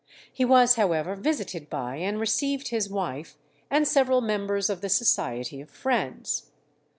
He was, however, visited by and received his wife, and several members of the Society of Friends.